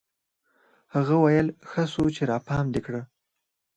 هغه ويل ښه سو چې راپام دي کړ.